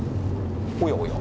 おやおや。